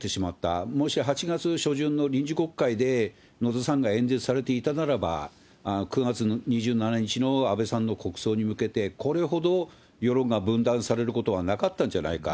それでもし８月初旬の臨時国会で野田さんが演説されていたならば、９月２７日の安倍さんの国葬に向けて、これほど世論が分断されることはなかったんじゃないか。